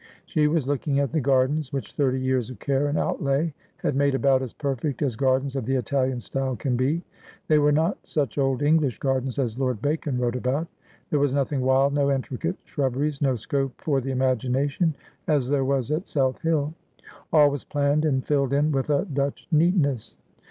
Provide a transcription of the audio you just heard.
She was looking at the gardens, which thirty years of care and outlay had made about as perfect as gardens of the Italian style can be. They were not such old English gardens as Lord Bacon wrote about. There was nothing wild, no intricate shrubberies, no scope for the imagination, as there was at South Hill. All was planned and filled in with a Dutch neatness.